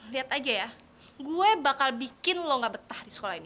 lihat aja ya gue bakal bikin longga betah di sekolah ini